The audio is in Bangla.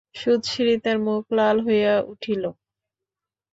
সুচরিতার মুখ লাল হইয়া উঠিল।